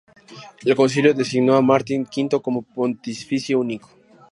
El Concilio designó a Martín V como pontífice único.